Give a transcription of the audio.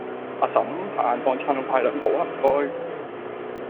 阿嬸，拍硬檔撐快兩步吖唔該